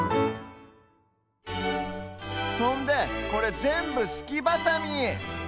そんでこれぜんぶすきバサミ。